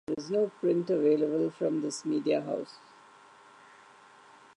There is no print available from this media house.